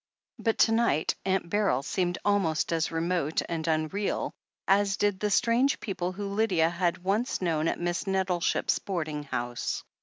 But to night Aunt Beryl seemed almost as remote and unreal as did the strange people whom Lydia had once known at Miss Nettleship's boarding house.